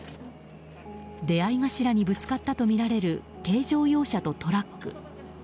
出合い頭にぶつかったとみられる軽乗用車とトラック。